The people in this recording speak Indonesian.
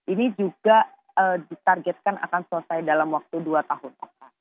ini juga ditargetkan akan selesai dalam waktu dua tahun